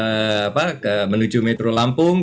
kita ada perjalanan menuju metro lampung